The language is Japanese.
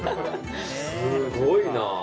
すごいな。